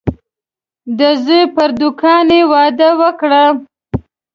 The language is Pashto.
د زوی پر دوکان یې وعده وکړه.